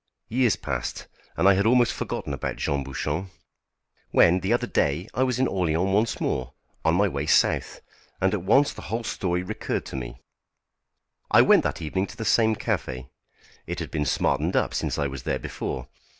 Years passed, and I had almost forgotten about Jean Bouchon, when, the other day, I was in Orléans once more, on my way south, and at once the whole story recurred to me. I went that evening to the same café. It had been smartened up since I was there before.